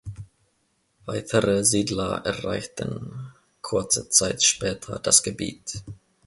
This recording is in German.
Weitere Siedler erreichten kurze Zeit später das Gebiet.